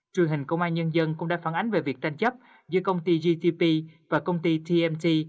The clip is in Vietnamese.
truyền hình công an nhân dân cũng đã phản ánh về việc tranh chấp giữa công ty gtp và công ty tmt